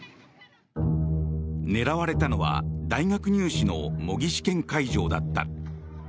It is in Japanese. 狙われたのは大学入試の模擬試験会場だった。